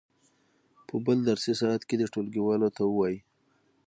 په بل درسي ساعت کې دې ټولګیوالو ته ووایي.